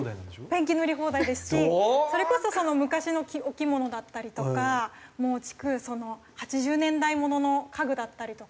ペンキ塗り放題ですしそれこそ昔の置き物だったりとか８０年代ものの家具だったりとかが。